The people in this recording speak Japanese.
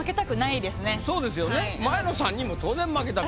そうですよね前の３人も当然負けたくない。